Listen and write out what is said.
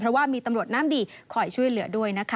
เพราะว่ามีตำรวจน้ำดีคอยช่วยเหลือด้วยนะคะ